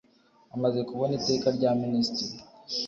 Amaze kubona iteka rya minisitiri